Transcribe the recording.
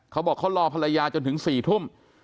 เขาบอกเขารอภรรยาจนถึง๔ทุ่ม